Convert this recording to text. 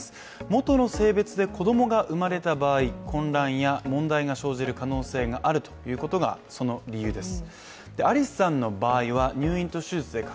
元の性別で子供が生まれた場合混乱や問題が生じる可能性があるということがその理由です。